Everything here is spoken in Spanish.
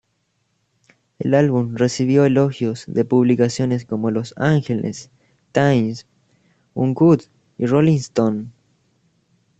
El álbum recibió elogios de publicaciones como "Los Ángeles" "Times", "Uncut", y "Rolling Stone.